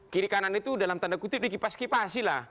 kiri kanan itu dalam tanda kutip dikipas kipas ya